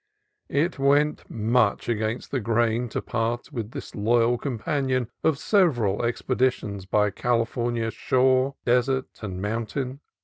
It went much against the grain to part with the THE MISSION OF SAN ANTONIO 183 loyal companion of several expeditions by California shore, desert, and mountain.